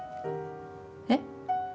えっ？